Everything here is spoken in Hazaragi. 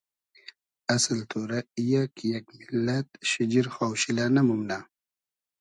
اسل تۉرۂ ای یۂ کی یئگ میللئد شیجیر خاوشیلۂ نئمومنۂ